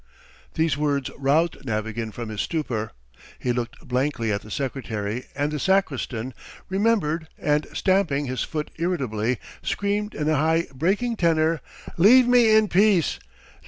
These words roused Navagin from his stupour. He looked blankly at the secretary and the sacristan, remembered, and stamping, his foot irritably, screamed in a high, breaking tenor: "Leave me in peace!